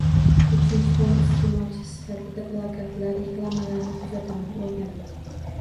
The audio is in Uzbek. Uchinchidan, isteʼmolchi sifatida plakatlar, reklamalarni kuzataman, oʻrganaman.